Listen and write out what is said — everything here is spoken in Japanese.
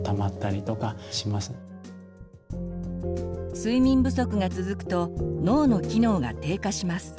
睡眠不足が続くと脳の機能が低下します。